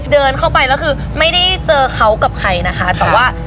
เดินเข้าไปแล้วคือไม่ได้เจอเขากับใครนะคะแต่ว่า